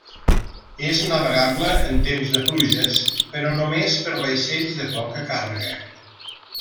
És navegable en temps de pluges però només per vaixells de poca càrrega.